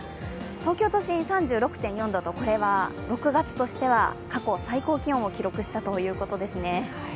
東京都心３６．４度とこれは６月としては過去最高気温を記録したということですね。